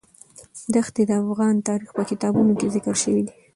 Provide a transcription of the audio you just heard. دښتې د افغان تاریخ په کتابونو کې ذکر شوی دي.